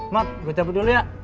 mak gue cabut dulu ya